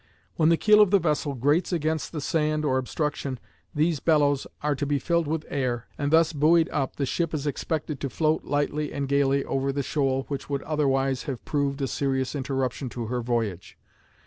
When the keel of the vessel grates against the sand or obstruction these bellows are to be filled with air, and thus buoyed up the ship is expected to float lightly and gayly over the shoal which would otherwise have proved a serious interruption to her voyage.